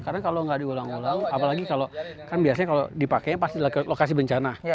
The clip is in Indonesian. karena kalau nggak diulang ulang apalagi kalau kan biasanya kalau dipakainya pasti lokasi bencana